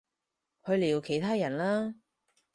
去聊其他人啦